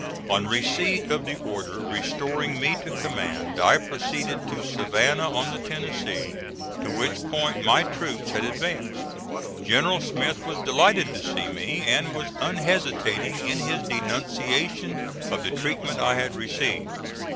On receipt of the order restoring me to command I proceeded to Savannah on the Tennessee, to which point my troops had advanced. General Smith was delighted to see me and was unhesitating in his denunciation of the treatment I had received.